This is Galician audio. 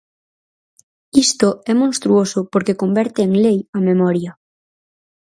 Isto é monstruoso porque converte en lei a memoria.